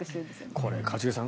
これ、一茂さん